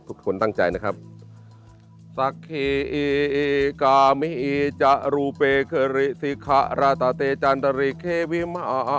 ทุกคนตั้งใจนะครับ